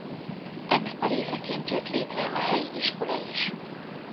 Ennek a részeként jött létre a helyi iskola is.